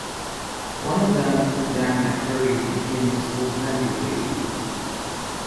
One of them, Xan McCurdy, became his full-time replacement.